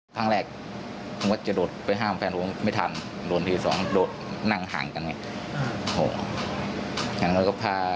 ครั้งแรกผมก็จะโดดไปห้ามแฟนผมไม่ทันโดนทีสองโดดนั่งห่างกันไง